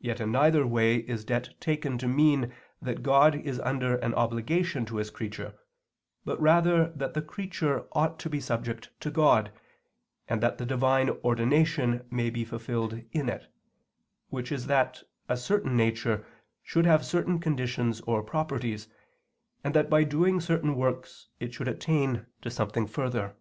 Yet in neither way is debt taken to mean that God is under an obligation to His creature, but rather that the creature ought to be subject to God, that the Divine ordination may be fulfilled in it, which is that a certain nature should have certain conditions or properties, and that by doing certain works it should attain to something further.